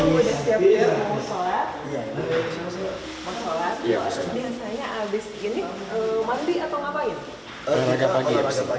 olah raga pagi